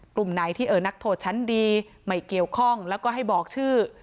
กลุ่มไหนที่นักโทษชั้นดีไม่เกี่ยวข้องแล้วก็ให้บอกชื่อ